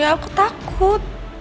ya aku takut